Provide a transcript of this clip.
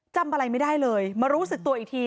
จำอะไรไม่ได้เลยมารู้สึกตัวอีกที